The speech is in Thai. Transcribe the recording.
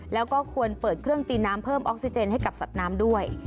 แล้วก็ควรเปิดเครื่องตีน้ำเพิ่มออกซิเจนให้กับสัตว์น้ำด้วย